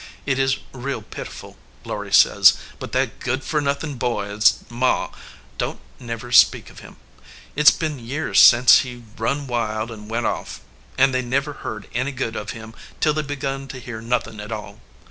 It is real pitiful, Laury says, but that good for nothin boy s ma don t never speak of him. It s been years sence he run wild and went off, and they never heard any good 294 "A RETREAT TO THE GOAL" of him till they begun to hear nothin at all.